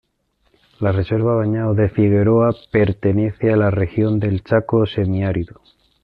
La reserva Bañados de Figueroa pertenece a la región del chaco semiárido.